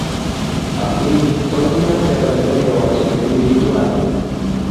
ang'ii tos iyan kebee nyekewachen kipindit tuwai